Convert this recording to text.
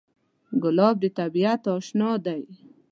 ګلاب د طبیعت اشنا دی.